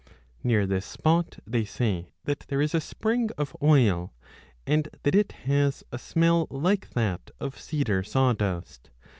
Near this 15 spot they say that there is a spring of oil, and that it has a smell like that of cedar sawdust.